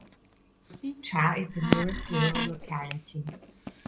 Verkhny Chat is the nearest rural locality.